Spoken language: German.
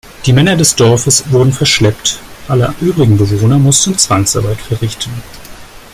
Die Männer des Dorfes wurden verschleppt, alle übrigen Bewohner mussten Zwangsarbeit verrichten.